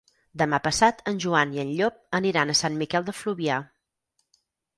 Demà passat en Joan i en Llop aniran a Sant Miquel de Fluvià.